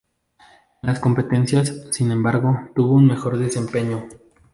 En las competencias, sin embargo, tuvo un mejor desempeño.